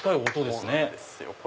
そうなんですよ。